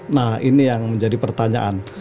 nah ini yang menjadi pertanyaan